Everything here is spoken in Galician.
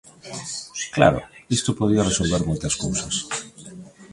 Claro, isto podía resolver moitas cousas.